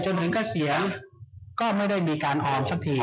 จนถึงข้าเสียก็ไม่ได้มีการออมช่างเพียง